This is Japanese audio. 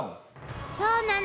そうなの。